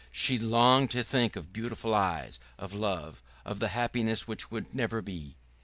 She longed to think of beautiful eyes, of love, of the happiness which would never be....